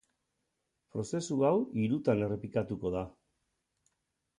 Prozesu hau hirutan errepikatuko da.